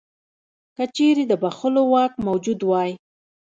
که چیرې د بخښلو واک موجود وای.